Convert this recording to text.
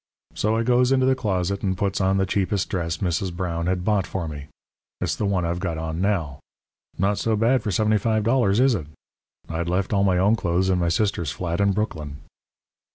So I goes into the closet and puts on the cheapest dress Mrs. Brown had bought for me it's the one I've got on now not so bad for $75, is it? I'd left all my own clothes in my sister's flat in Brooklyn.